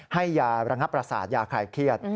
ให้ยาระงับประสาทยาคลายเครียด